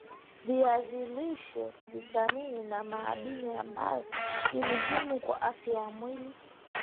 viazi lishe vitamini na madini ambayo ni muhimu kwa afya ya mwili